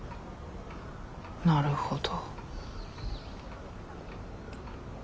なるほど。